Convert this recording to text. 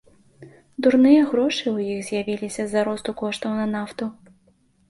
Дурныя грошы ў іх з'явіліся з-за росту коштаў на нафту.